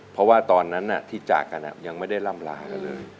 เพราะว่าตอนนั้นที่จากกันยังไม่ได้ล่ำลากันเลย